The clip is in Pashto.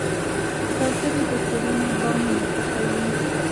کوترې د کورونو بامونه خوښوي.